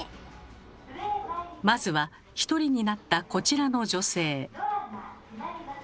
まずは１人になったこちらの女性。